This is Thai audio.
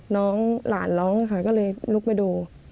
น้องหลานร้องค่ะก็เลยลุกไปดู